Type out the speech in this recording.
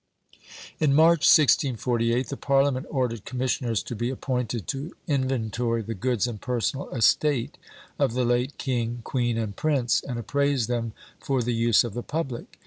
In March, 1648, the parliament ordered commissioners to be appointed, to inventory the goods and personal estate of the late king, queen, and prince, and appraise them for the use of the public.